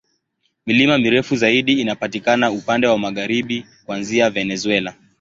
Milima mirefu zaidi inapatikana upande wa magharibi, kuanzia Venezuela.